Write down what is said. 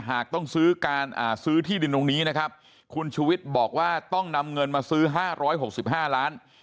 หากต้องซื้อการซื้อที่ดินตรงนี้นะครับคุณชูวิทย์บอกว่าต้องนำเงินมาซื้อ๕๖๕ล้าน